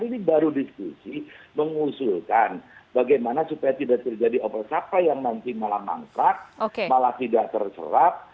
ini baru diskusi mengusulkan bagaimana supaya tidak terjadi oversupply yang nanti malah mangkrak malah tidak terserap